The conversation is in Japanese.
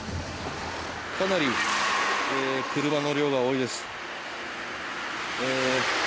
かなり車の量が多いです。